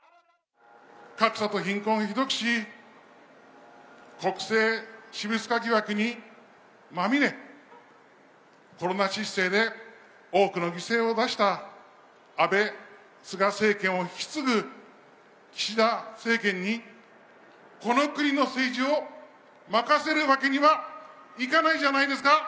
格差と貧困をひどくし、国政私物化疑惑にまみれ、コロナ失政で多くの犠牲を出した安倍・菅政権を引き継ぐ岸田政権に、この国の政治を任せるわけにはいかないじゃないですか。